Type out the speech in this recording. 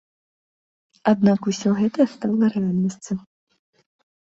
Аднак усё гэта стала рэальнасцю.